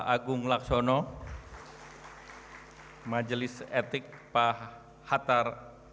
pak agung laksono majelis etik pak hatar